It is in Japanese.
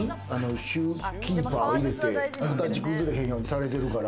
シューキーパー入れて、形崩れへんようにされてるから。